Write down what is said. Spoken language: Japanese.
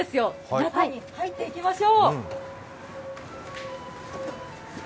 中に入っていきましょう。